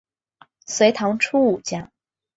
隋唐初武将。